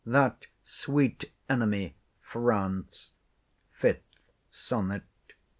—That sweet enemy,—France— 5th Sonnet.